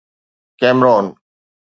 Cameron